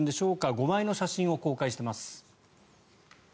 ５枚の写真を公開しています。